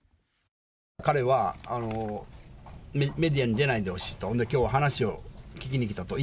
彼はメディアに出ないでほしいと、それで、きょうは話を聞きに来たと。